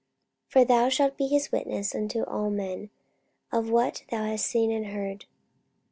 44:022:015 For thou shalt be his witness unto all men of what thou hast seen and heard.